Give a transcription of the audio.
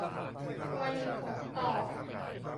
วณิพกต่อ